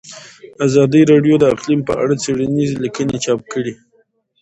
ازادي راډیو د اقلیم په اړه څېړنیزې لیکنې چاپ کړي.